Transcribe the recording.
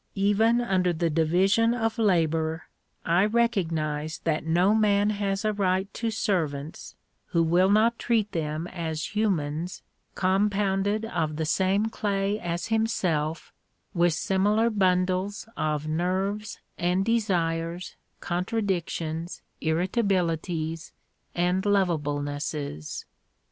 Even under the division of labour I recognize that no man has a right to servants who will not treat them as humans compounded of the same clay as himself, with similar bundles of nerves and desires, contradictions, irritabilities, and lovablenesses.